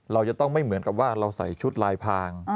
เราจะต้องไม่เหมือนกับว่าเราใส่ชุดลายพาง